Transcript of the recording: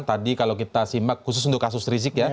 tadi kalau kita simak khusus untuk kasus rizik ya